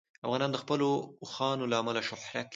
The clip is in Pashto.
افغانستان د خپلو اوښانو له امله شهرت لري.